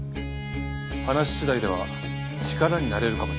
話次第では力になれるかもしれない。